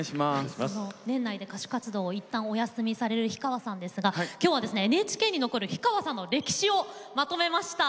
年内で歌手活動をいったんお休みされる氷川さんですが今日はＮＨＫに残る氷川さんの歴史をまとめました。